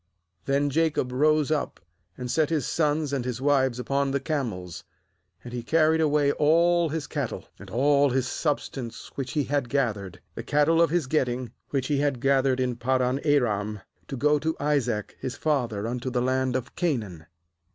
17Then Jacob rose up, and set his sons and his wives upon the camels; ^and he carried away all his cattle, and all his substance which he had gathered, the cattle of his getting, which he had gathered in Paddan aram, to go to Isaac his father unto the land of Canaan.